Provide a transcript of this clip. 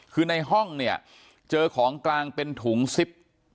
คือในห้องเนี่ยเจอของกลางเป็นถุงซิป